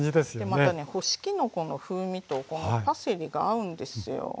またね干しきのこの風味とこのパセリが合うんですよ。